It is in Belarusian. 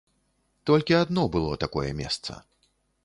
Толькі адно было такое месца.